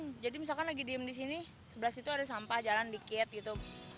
iya jadi misalkan lagi diem di sini sebelah situ ada sampah jalan dikit gitu